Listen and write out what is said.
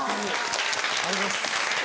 ありがとうございます。